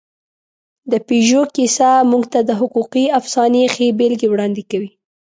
د پيژو کیسه موږ ته د حقوقي افسانې ښې بېلګې وړاندې کوي.